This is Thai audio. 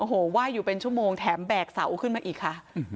โอ้โหไหว้อยู่เป็นชั่วโมงแถมแบกเสาขึ้นมาอีกค่ะ